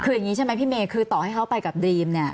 คืออย่างนี้ใช่ไหมพี่เมย์คือต่อให้เขาไปกับดรีมเนี่ย